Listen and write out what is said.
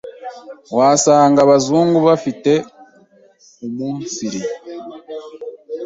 Wasanga abazungu bafite uumunsiri